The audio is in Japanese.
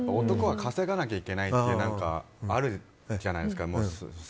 男は稼がなきゃいけないってあるじゃないですか。